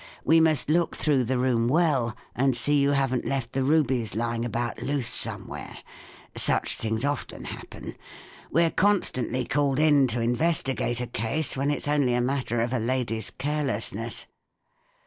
We must look through the room well, and see you haven't left the rubies lying about loose 38i somewhere. Such things often happen. We're constantly called in to investigate a case, when it's only a matter of a lady's care¬ lessness."